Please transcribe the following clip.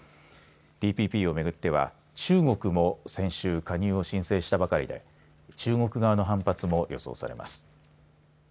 ＴＰＰをめぐっては中国も先週加入を申請したばかりで中国側の反発も予想されます。